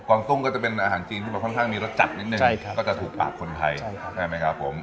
องตุ้งก็จะเป็นอาหารจีนที่แบบค่อนข้างมีรสจัดนิดนึงก็จะถูกปากคนไทยใช่ไหมครับผม